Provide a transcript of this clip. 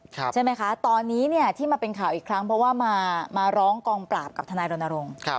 ใช่ไหมคะตอนนี้เนี่ยที่มาเป็นข่าวอีกครั้งเพราะว่ามาร้องกองปราบกับทนายรณรงค์